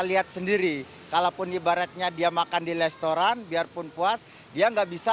lihat sendiri kalaupun ibaratnya dia makan di restoran biarpun puas dia nggak bisa